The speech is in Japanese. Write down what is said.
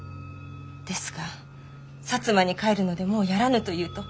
ですが薩摩に帰るのでもうやらぬと言うと。